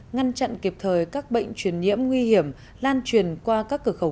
ngăn chặn kịp thời các bệnh truyền nhiễm nguy hiểm lan truyền qua các cửa khẩu